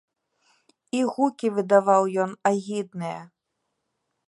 І гукі выдаваў ён агідныя.